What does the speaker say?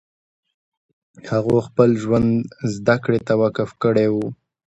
هغو خپل ژوند زدکړې ته وقف کړی و